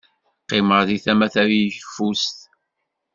Qqimeɣ di tama tayeffus.